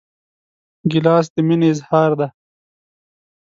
ګیلاس د مینې اظهار دی.